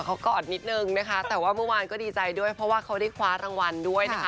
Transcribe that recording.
เขากอดนิดนึงนะคะแต่ว่าเมื่อวานก็ดีใจด้วยเพราะว่าเขาได้คว้ารางวัลด้วยนะคะ